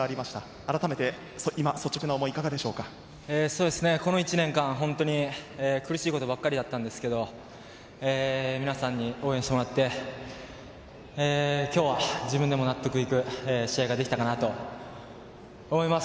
あらためて今この１年間本当に苦しいことばかりだったんですけど皆さんに応援してもらって今日は自分でも納得いく試合ができたかなと思います。